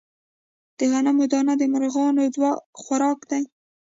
د غنمو دانه د مرغانو خوراک دی.